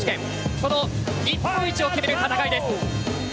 その日本一を決める戦いです！